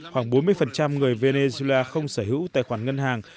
khoảng bốn mươi người venezuela không sở hữu tài khoản ngân hàng